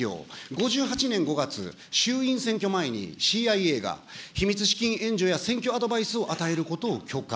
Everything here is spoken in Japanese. ５８年５月、衆院選挙前にＣＩＡが秘密資金援助や選挙アドバイスを与えることを許可。